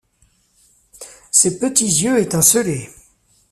Ses petits yeux étincelaient.